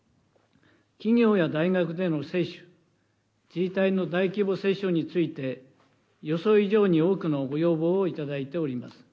企業や大学での接種、自治体の大規模接種について、予想以上に多くのご要望を頂いております。